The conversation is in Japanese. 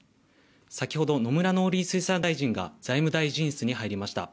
先ほど野村農林水産大臣が財務大臣室に入りました。